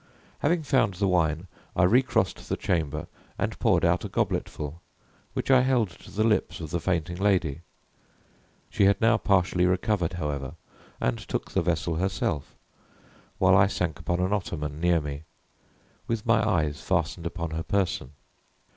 Having found the wine, I recrossed the chamber, and poured out a gobletful, which I held to the lips of the fainting lady. She had now partially recovered, however, and took the vessel herself, while I sank upon an ottoman near me, with my eyes fastened upon her person.